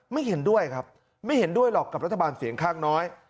ไม่เห็นด้วยครับไม่เห็นด้วยหรอกกับรัฐบาลเสียงข้างน้อย